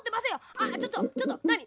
あちょっとちょっとなに？